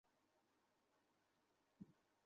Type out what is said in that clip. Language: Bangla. বাইরে অপেক্ষা করুন।